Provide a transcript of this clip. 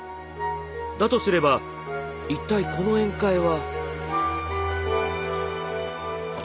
だとすれば一体この宴会は。